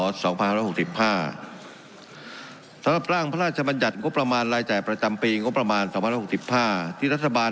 สำหรับร่างพระราชบัญญัติกบประมาณรายจ่ายประจำปีกบประมาณ๒๐๖๕